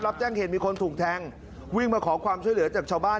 รับแจ้งเหตุมีคนถูกแทงวิ่งมาขอความช่วยเหลือจากชาวบ้าน